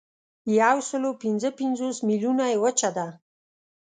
یوسلاوپینځهپنځوس میلیونه یې وچه ده.